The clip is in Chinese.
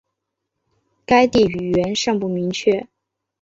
该地语源尚不明确。